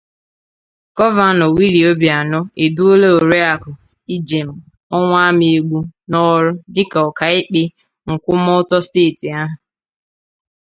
gọvanọ Willie Obianọ eduola oriakụ Ijem Ọnwụamaegbu n'ọrụ dịka ọkaikpe mkwụmọtọ steeti ahụ